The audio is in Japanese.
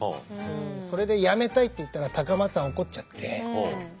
それで辞めたいって言ったら高松藩怒っちゃって。